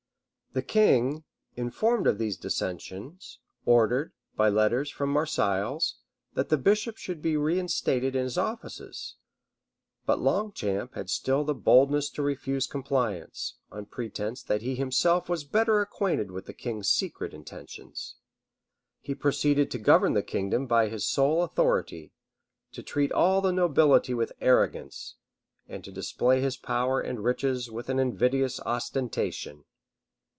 [*] The king, informed of these dissensions, ordered, by letters from Marseilles, that the bishop should be reinstated in his offices; but Longchamp had still the boldness to refuse compliance, on pretence that he himself was better acquainted with the king's secret intentions.[] He proceeded to govern the kingdom by his sole authority; to treat all the nobility with arrogance; and to display his power and riches with an invidious ostentation.